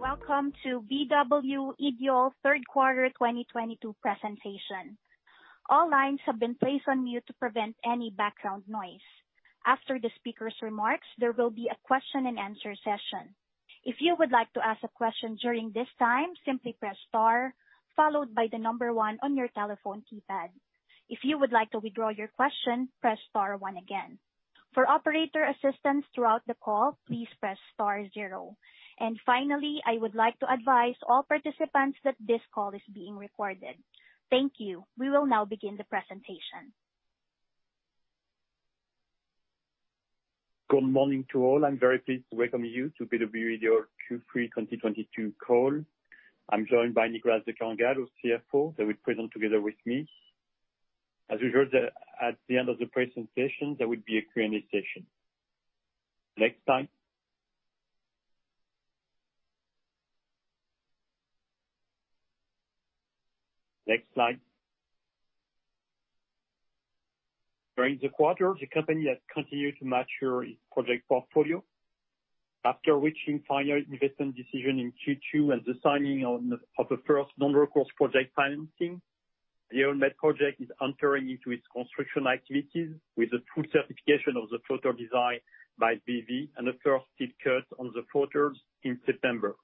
Welcome to BW Ideol third quarter 2022 presentation. All lines have been placed on mute to prevent any background noise. After the speaker's remarks, there will be a question and answer session. If you would like to ask a question during this time, simply press star followed by the number one on your telephone keypad. If you would like to withdraw your question, press star one again. For operator assistance throughout the call, please press star zero. Finally, I would like to advise all participants that this call is being recorded. Thank you. We will now begin the presentation. Good morning to all. I'm very pleased to welcome you to BW Ideol Q3 2022 call. I'm joined by Nicolas de Kerangal, our CFO, that will present together with me. As we heard that at the end of the presentation, there will be a Q&A session. Next slide. Next slide. During the quarter, the company has continued to mature its project portfolio. After reaching final investment decision in Q2 and the signing of the first non-recourse project financing, the EolMed project is entering into its construction activities with the full certification of the floater design by BV and the first steel cut on the floaters in September.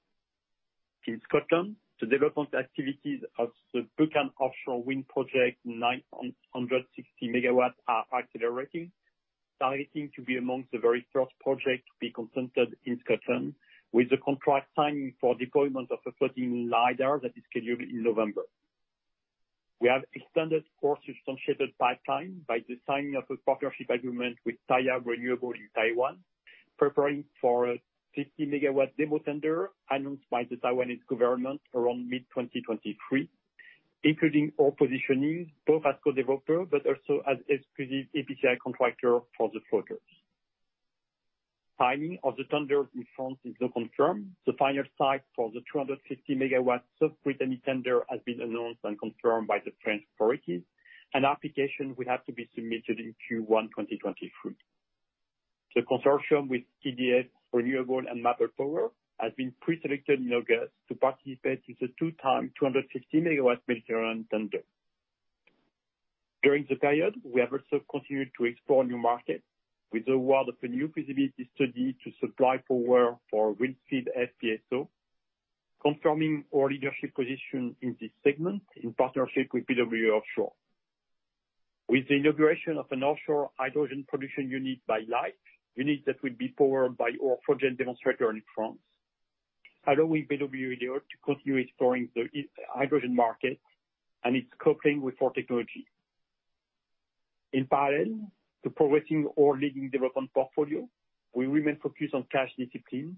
In Scotland, the development activities of the Buchan Offshore Wind project, 960 MW, are accelerating, targeting to be among the very first project to be consented in Scotland, with the contract signing for deployment of a floating LiDAR that is scheduled in November. We have extended our substantial pipeline by the signing of a partnership agreement with Taiya Renewable Energy in Taiwan, preparing for a 50 MW demo tender announced by the Taiwanese government around mid-2023, including our positioning both as co-developer but also as exclusive EPCI contractor for the floaters. Timing of the tender in France is now confirmed. The final site for the 250 MW South Brittany tender has been announced and confirmed by the French authorities. An application will have to be submitted in Q1 2023. The consortium with EDF Renewables and Maple Power has been pre-selected in August to participate in the 250 MW Mediterranean tender. During the period, we have also continued to explore new markets with the award of a new feasibility study to supply power for wind-powered FPSO, confirming our leadership position in this segment in partnership with BW Offshore. With the inauguration of an offshore hydrogen production unit by Lhyfe, unit that will be powered by our Floatgen demonstrator in France, allowing BW Ideol to continue exploring the hydrogen market and its coupling with our technology. In parallel to progressing our leading development portfolio, we remain focused on cash discipline.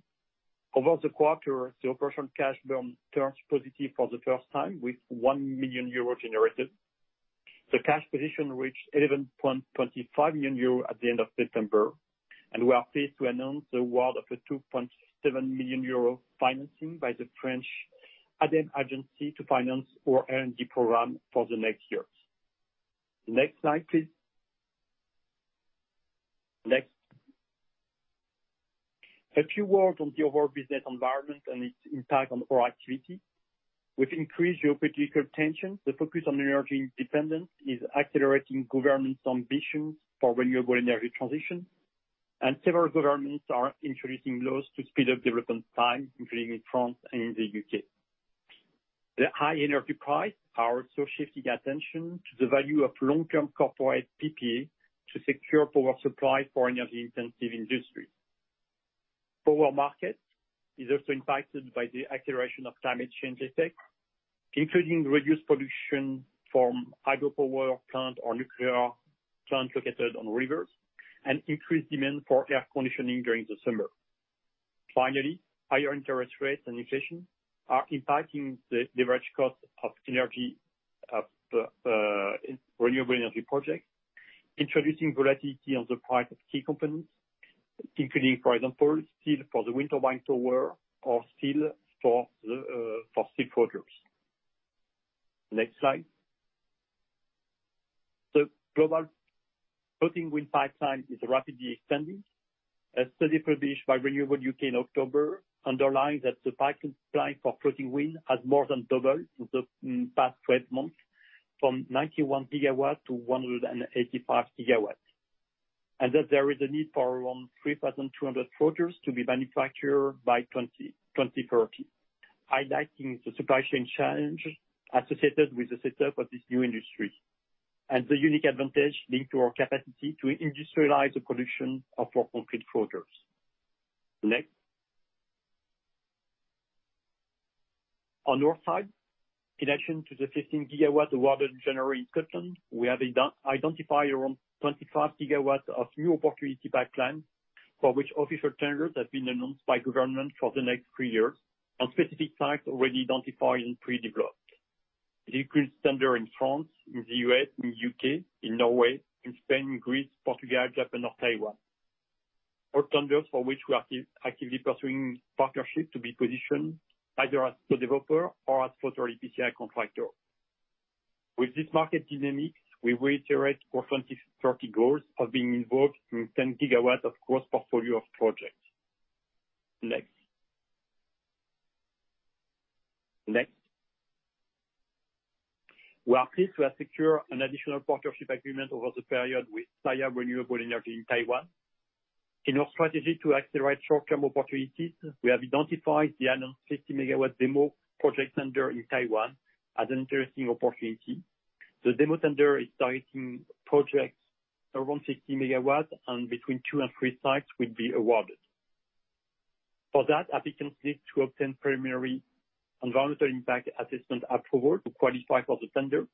Over the quarter, the operational cash burn turned positive for the first time with 1 million euro generated. The cash position reached 11.25 million euro at the end of September, and we are pleased to announce the award of a 2.7 million euro financing by the French ADEME agency to finance our R&D program for the next years. Next slide, please. Next. A few words on the overall business environment and its impact on our activity. With increased geopolitical tension, the focus on energy independence is accelerating government's ambition for renewable energy transition, and several governments are introducing laws to speed up development time, including in France and in the U.K. The high energy price are also shifting attention to the value of long-term corporate PPA to secure power supply for energy-intensive industry. Power market is also impacted by the acceleration of climate change effects, including reduced production from hydropower plant or nuclear plant located on rivers and increased demand for air conditioning during the summer. Finally, higher interest rates and inflation are impacting the levelized cost of energy of renewable energy projects, introducing volatility on the price of key components, including, for example, steel for the wind turbine tower or steel for the floaters. Next slide. The global floating wind pipeline is rapidly expanding. A study published by RenewableUK in October underlined that the pipeline for floating wind has more than doubled in the past 12 months from 91 GW to 185 GW, and that there is a need for around 3,200 floaters to be manufactured by 2030, highlighting the supply chain challenge associated with the setup of this new industry and the unique advantage linked to our capacity to industrialize the production of our concrete floaters. Next. On north side, in addition to the 15 GW award in January in Scotland, we have identified around 25 GW of new opportunity pipeline for which official tenders have been announced by government for the next three years on specific sites already identified and pre-developed. It includes tenders in France, in the U.S., in the U.K., in Norway, in Spain, Greece, Portugal, Japan or Taiwan, all tenders for which we are actively pursuing partnerships to be positioned either as co-developer or as floater EPCI contractor. With this market dynamics, we reiterate our 2030 goals of being involved in 10 GW of gross portfolio of projects. Next. We are pleased to have secured an additional partnership agreement over the period with Taiya Renewable Energy in Taiwan. In our strategy to accelerate short-term opportunities, we have identified the announced 50 MW demo project tender in Taiwan as an interesting opportunity. The demo tender is targeting projects around 50 MW and between two and three sites will be awarded. For that, applicants need to obtain primary environmental impact assessment approval to qualify for the tender,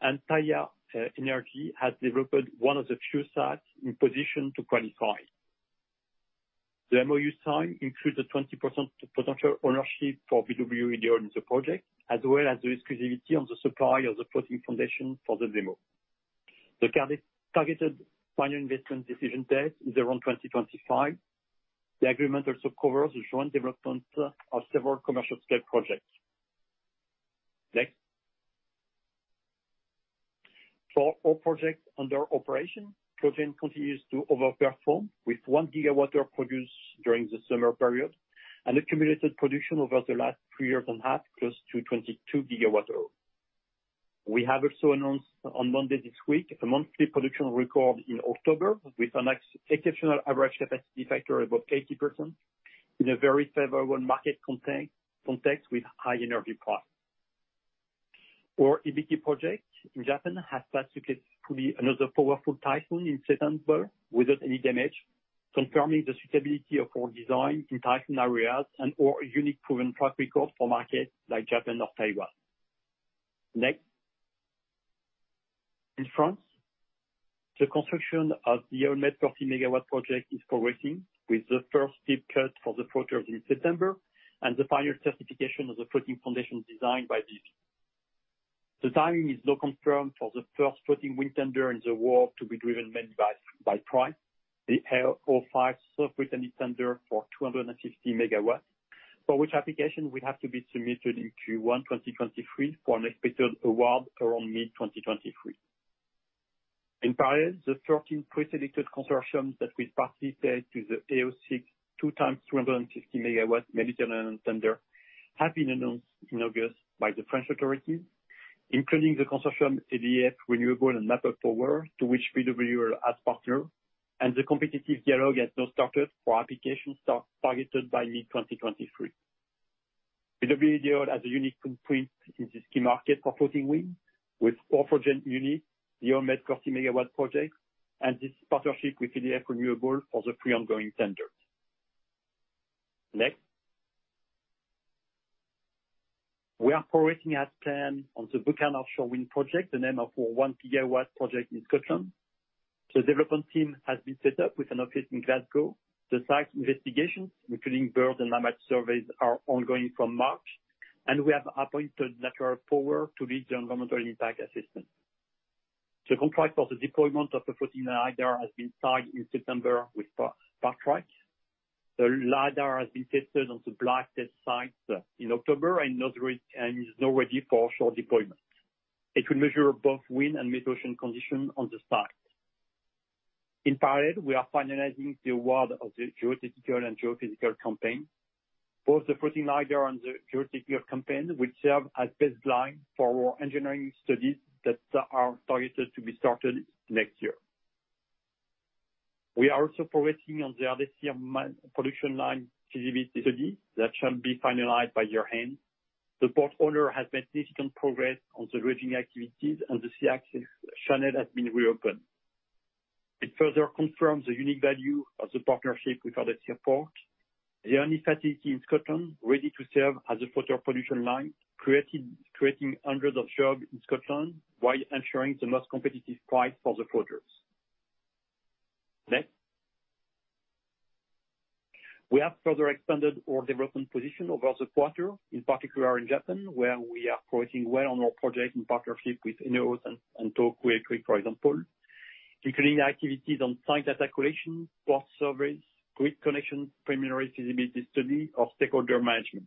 and Taiya Renewable Energy has developed one of the few sites in position to qualify. The MOU signed includes a 20% potential ownership for BW in the project, as well as the exclusivity on the supply of the floating foundation for the demo. The current targeted final investment decision date is around 2025. The agreement also covers the joint development of several commercial-scale projects. Next. For our project under operation, Floatgen continues to over-perform with 1 GWh produced during the summer period and accumulated production over the last 3.5 years, close to 22 GWh. We have also announced on Monday this week a monthly production record in October with an exceptional average capacity factor of above 80% in a very favorable market context with high energy price. Our Hibiki project in Japan has passed successfully another powerful typhoon in September without any damage, confirming the suitability of our design in typhoon areas and/or a unique proven track record for markets like Japan or Taiwan. Next. In France, the construction of the EolMed 30 MW project is progressing with the first deep cut for the project in September and the final certification of the floating foundation designed by Ideol. The timing is now confirmed for the first floating wind tender in the world to be driven mainly by price. The AO5 sub-region tender for 250 MW, for which application will have to be submitted in Q1 2023 for an expected award around mid-2023. In parallel, the 13 pre-selected consortiums that will participate to the AO6 2 × 250 MW Mediterranean tender have been announced in August by the French authorities, including the consortium EDF Renewables and Maple Power, to which BW is a partner, and the competitive dialogue has now started for application start targeted by mid-2023. BW has a unique footprint in this key market for floating wind with all floating units, the EolMed 30 MW project, and this partnership with EDF Renewables for the three ongoing tenders. Next. We are progressing as planned on the Buchan Offshore Wind project, namely our 1 GW project in Scotland. The development team has been set up with an office in Glasgow. The site investigations, including bird and climate surveys, are ongoing from March, and we have appointed Natural Power to lead the environmental impact assessment. The contract for the deployment of the floating radar has been signed in September with Partrac. The radar has been tested on the Blackness site in October and is now ready for offshore deployment. It will measure both wind and met-ocean conditions on the site. In parallel, we are finalizing the award of the geotechnical and geophysical campaign. Both the floating radar and the geotechnical campaign will serve as baseline for our engineering studies that are targeted to be started next year. We are also progressing on the Ardersier mill production line feasibility study that shall be finalized by year-end. The port owner has made significant progress on the dredging activities, and the sea access channel has been reopened. It further confirms the unique value of the partnership with Ardersier Port, the only facility in Scotland ready to serve as a future production line, creating hundreds of jobs in Scotland while ensuring the most competitive price for the projects. Next. We have further expanded our development position over the quarter, in particular in Japan, where we are progressing well on our project in partnership with INEOS and Tohoku Electric Power, for example. Including activities on site data collection, port surveys, grid connection, preliminary feasibility study, and stakeholder management.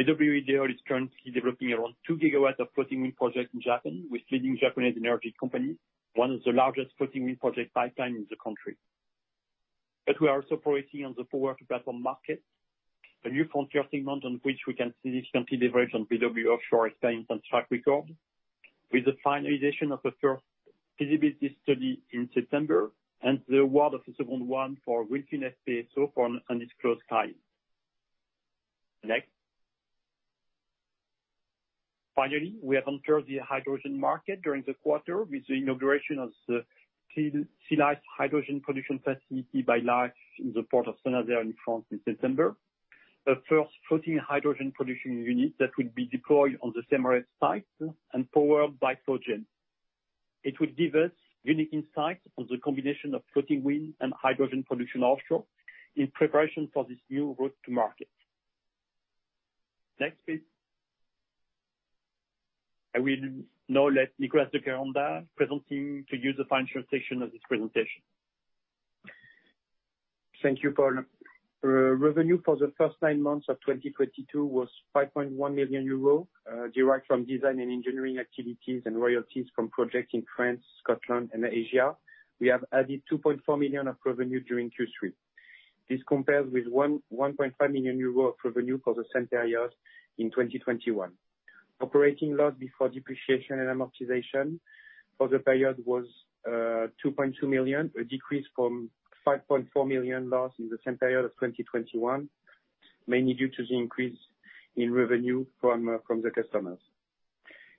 BW is currently developing around 2 GW of floating wind projects in Japan with leading Japanese energy companies, one of the largest floating wind project pipelines in the country. We are also progressing on the floating platform market, a new frontier segment on which we can see significant leverage on BW Offshore experience and track record with the finalization of the first feasibility study in September and the award of the second one for SBM Offshore and its close client. Next. Finally, we have entered the hydrogen market during the quarter with the inauguration of the Sealhyfe hydrogen production facility by Lhyfe in the port of Saint-Nazaire in France in September. The first floating hydrogen production unit that will be deployed on the SEM-REV site and powered by Floatgen. It will give us unique insight on the combination of floating wind and hydrogen production offshore in preparation for this new route to market. Next, please. I will now let Nicolas de Kerangal presenting to you the financial section of this presentation. Thank you, Paul. Revenue for the first nine months of 2022 was 5.1 million euro, derived from design and engineering activities and royalties from projects in France, Scotland, and Asia. We have added 2.4 million of revenue during Q3. This compares with 1.5 million euro of revenue for the same period in 2021. Operating loss before depreciation and amortization for the period was 2.2 million, a decrease from 5.4 million loss in the same period of 2021, mainly due to the increase in revenue from the customers.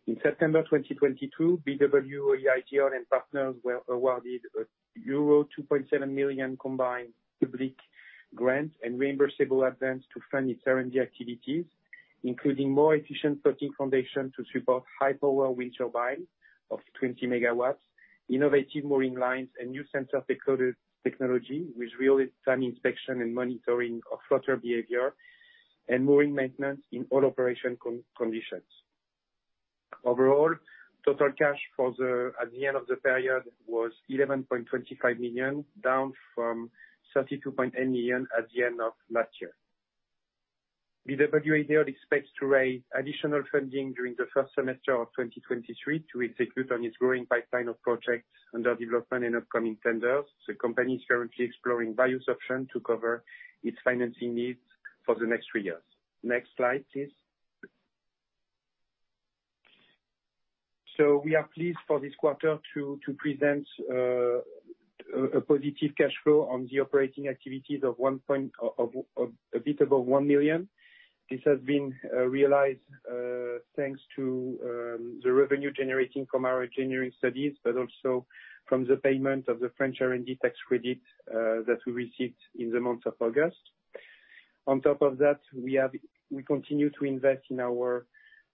In September 2022, BW Ideol and partners were awarded a euro 2.7 million combined public grant and reimbursable advance to fund its R&D activities, including more efficient floating foundation to support high power wind turbines of 20 MW, innovative mooring lines, and new sensor decoder technology with real-time inspection and monitoring of flutter behavior and mooring maintenance in all operational conditions. Overall, total cash at the end of the period was 11.25 million, down from 32.8 million at the end of last year. BW Ideol expects to raise additional funding during the first semester of 2023 to execute on its growing pipeline of projects under development and upcoming tenders. The company is currently exploring various options to cover its financing needs for the next three years. Next slide, please. We are pleased for this quarter to present a positive cash flow on the operating activities of a bit above 1 million. This has been realized thanks to the revenue generating from our engineering studies, but also from the payment of the French R&D tax credit that we received in the month of August. On top of that, we continue to invest in our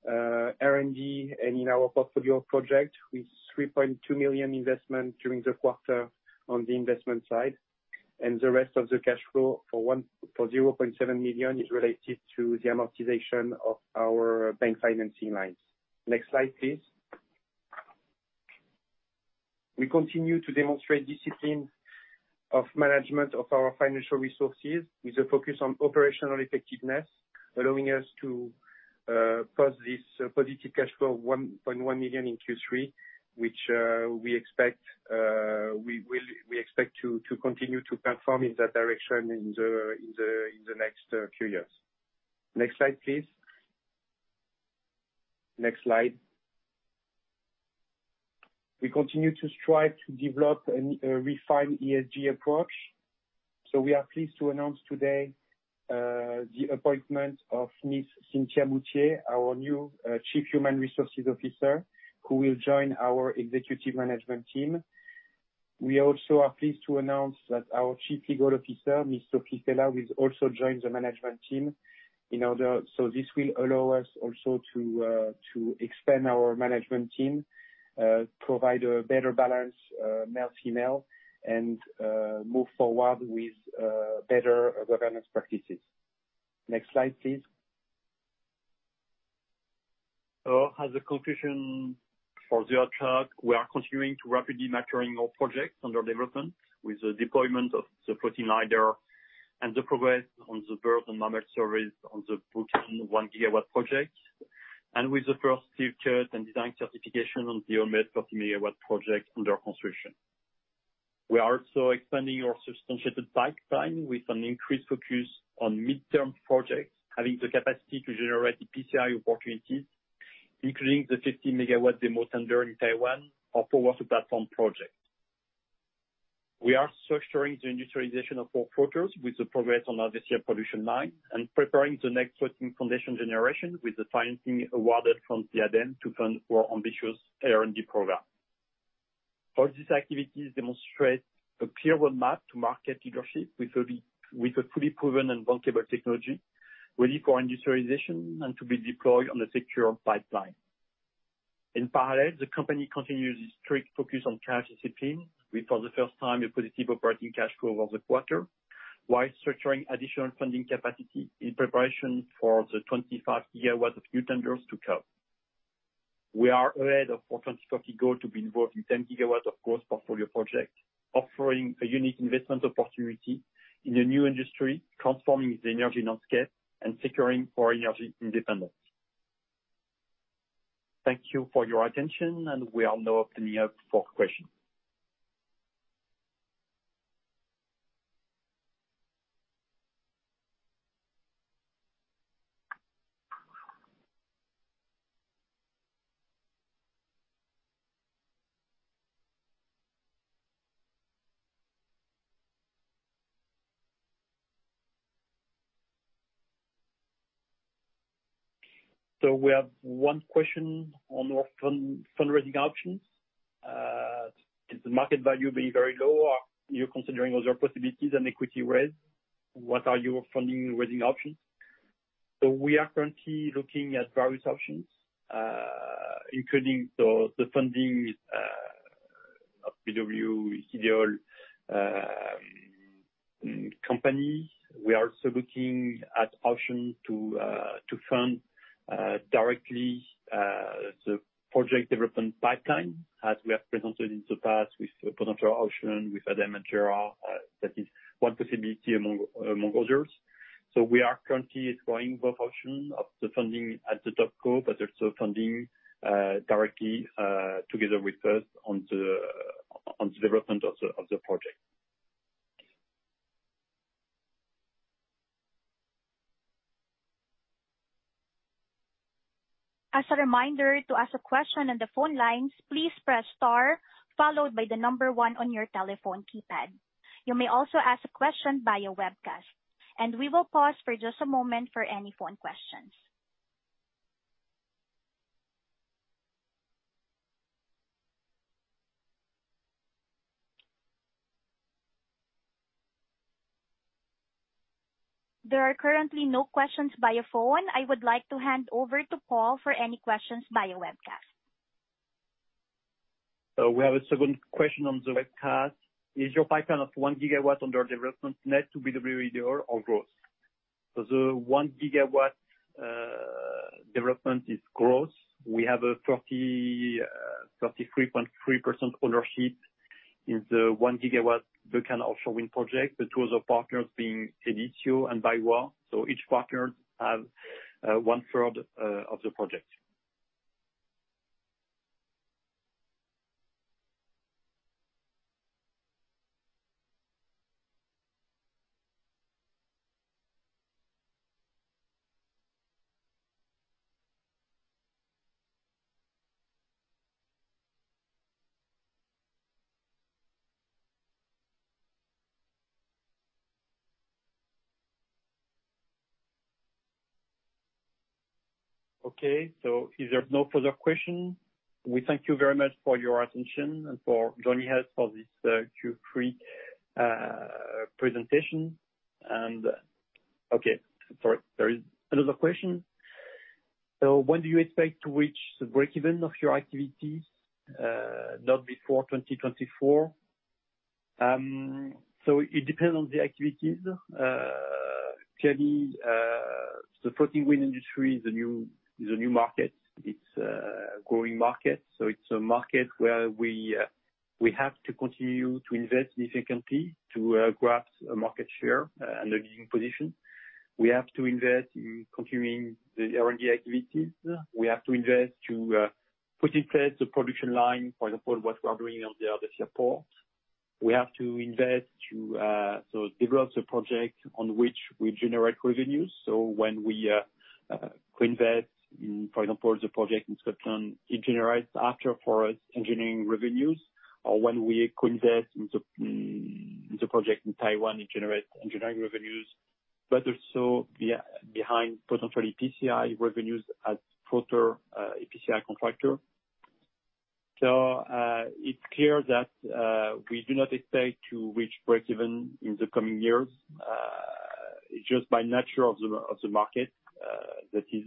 R&D and in our portfolio project with 3.2 million investment during the quarter on the investment side. The rest of the cash flow for 0.7 million is related to the amortization of our bank financing lines. Next slide, please. We continue to demonstrate disciplined management of our financial resources with a focus on operational effectiveness, allowing us to post this positive cash flow of 1.1 million in Q3, which we expect to continue to perform in that direction in the next few years. Next slide, please. Next slide. We continue to strive to develop a refined ESG approach. We are pleased to announce today the appointment of Ms. [Cinzia Bottini], our new Chief Human Resources Officer, who will join our executive management team. We also are pleased to announce that our Chief Legal Officer, Mr. Chris Taylor, will also join the management team in order. This will allow us also to expand our management team, provide a better balance, male, female, and move forward with better governance practices. Next slide, please. As a conclusion for the track, we are continuing to rapidly maturing our projects under development with the deployment of the Sealhyfe and the progress on the [BayWa r.e. and Mamert service on the Buchan] 1 GW project, and with the first steel cut and design certification on the EolMed 30 MW project under construction. We are also expanding our substantiated pipeline with an increased focus on midterm projects, having the capacity to generate EPCI opportunities, including the 50 MW demo tender in Taiwan for [40 MW] platform project. We are structuring the industrialization of portfolios with the progress on our this year production line and preparing the next floating foundation generation with the financing awarded from ADEME to fund our ambitious R&D program. All these activities demonstrate a clear roadmap to market leadership with a fully proven and bankable technology ready for industrialization and to be deployed on a secure pipeline. In parallel, the company continues its strict focus on cash discipline with, for the first time, a positive operating cash flow over the quarter, while structuring additional funding capacity in preparation for the 25 GW of new tenders to come. We are ahead of our 2050 goal to be involved in 10 GW of gross portfolio project, offering a unique investment opportunity in the new industry, transforming the energy landscape and securing our energy independence. Thank you for your attention, and we are now opening up for questions. We have one question on our fundraising options. Is the market value being very low? Are you considering other possibilities and equity raise? What are your fundraising options? We are currently looking at various options, including the funding of BW Ideol companies. We are also looking at option to fund directly, the project development pipeline, as we have presented in the past with potential option with ADEME and BPI, that is one possibility among others. We are currently exploring both options of the funding at the Topco, but also funding directly together with us on the development of the project. As a reminder, to ask a question on the phone lines, please press star followed by the number one on your telephone keypad. You may also ask a question via webcast, and we will pause for just a moment for any phone questions. There are currently no questions via phone. I would like to hand over to Paul de la Guérivière for any questions via webcast. We have a second question on the webcast. Is your pipeline of 1 GW under development net to BW Ideol or growth? The 1 GW development is growth. We have a 33.3% ownership in the 1 GW Buchan Offshore Wind project, the two other partners being EDF Renewables and BayWa r.e. Each partner has 1/3 of the project. Okay. If there's no further question, we thank you very much for your attention and for joining us for this Q3 presentation. Okay, sorry, there is another question. When do you expect to reach the break-even of your activities? Not before 2024. It depends on the activities. Clearly, the floating wind industry is a new market. It's a growing market. It's a market where we have to continue to invest significantly to grasp a market share and a leading position. We have to invest in continuing the R&D activities. We have to invest to put in place the production line, for example, what we are doing on the other ship port. We have to invest to develop the project on which we generate revenues. When we co-invest in, for example, the project in Scotland, it generates after for us engineering revenues, or when we co-invest in the project in Taiwan, it generates engineering revenues. But also behind potentially EPCI revenues as further EPCI contractor. It's clear that we do not expect to reach break-even in the coming years. Just by nature of the market, that is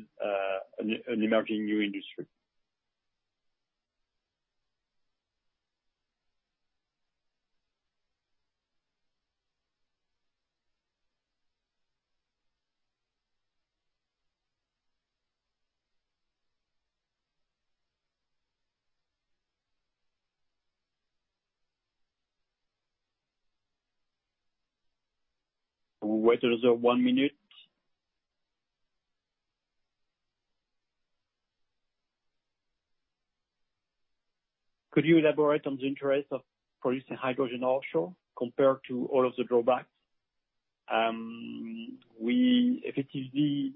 an emerging new industry. We wait another one minute. Could you elaborate on the interest of producing hydrogen offshore compared to all of the drawbacks? We effectively.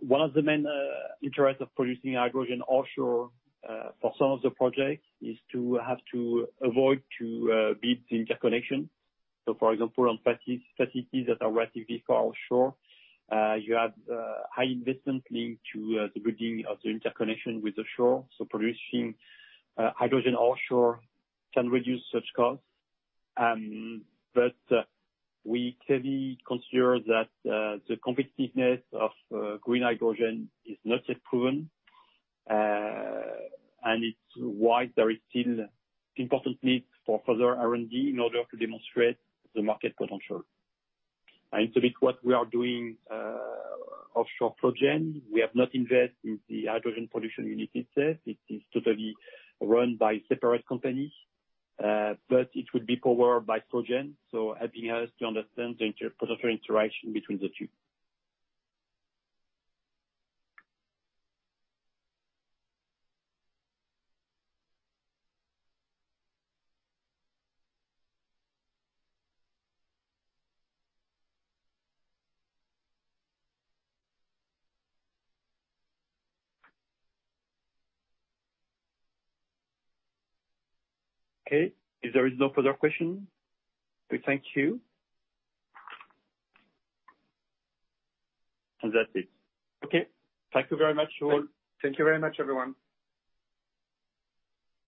One of the main interest of producing hydrogen offshore for some of the projects is to have to avoid to build the interconnection. For example, on facilities that are relatively far offshore, you have high investment linked to the building of the interconnection with the shore. Producing hydrogen offshore can reduce such costs. But we clearly consider that the competitiveness of green hydrogen is not yet proven, and it's why there is still important need for further R&D in order to demonstrate the market potential. With what we are doing, offshore Floatgen, we have not invest in the hydrogen production unit itself. It is totally run by separate company, but it will be powered by Floatgen, so helping us to understand the potential interaction between the two. Okay, if there is no further question, we thank you. That's it. Okay. Thank you very much you all. Thank you very much, everyone.